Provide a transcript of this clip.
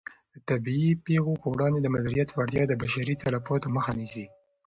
د طبیعي پېښو په وړاندې د مدیریت وړتیا د بشري تلفاتو مخه نیسي.